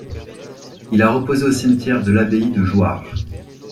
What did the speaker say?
Il a reposé au cimetière de l'abbaye de Jouarre.